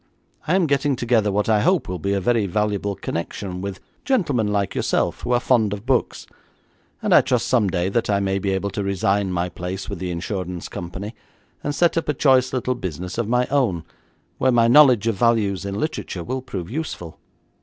I am getting together what I hope will be a very valuable connection with gentlemen like yourself who are fond of books, and I trust some day that I may be able to resign my place with the insurance company and set up a choice little business of my own, where my knowledge of values in literature will prove useful.'